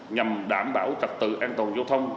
nhằm đảm bảo trật tự an toàn giao thông